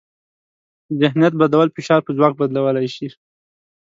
ذهنیت بدلول فشار په ځواک بدلولی شي.